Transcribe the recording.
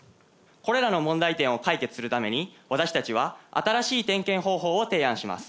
これらの問題点を解決するために私たちは新しい点検方法を提案します。